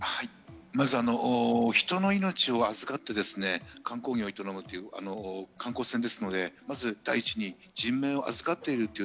人の命を預かって、観光業を営むという観光船ですので、第一に人命を預かっている。